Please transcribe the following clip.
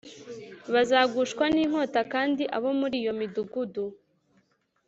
Bazagushwa n inkota kandi abo muri iyo midugudu